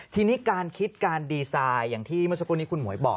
ทีนี้การคิดการดีไซน์อย่างที่เมื่อสักครู่นี้คุณหมวยบอก